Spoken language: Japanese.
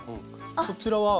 こちらは？